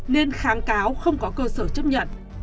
nên kháng cáo không có cơ sở chấp nhận